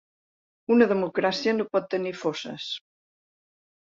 Una democràcia no pot tenir fosses